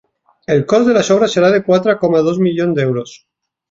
El cost de les obres serà de quatre coma dos milions d’euros.